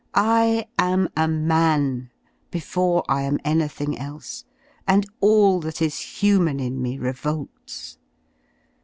I am a man before I am anything else, and air that is human in me revolts.